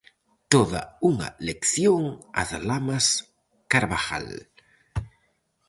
Toda unha lección a de Lamas Carvajal.